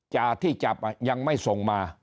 จ่าที่จับยังไม่ส่งมา